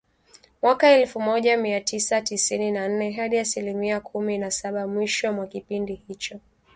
mwaka elfu moja mia tisa tisini na nne hadi asilimia kumi na saba mwishoni mwa kipindi hicho